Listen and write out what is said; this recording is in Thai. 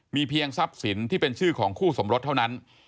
เพียงทรัพย์สินที่เป็นชื่อของคู่สมรสเท่านั้น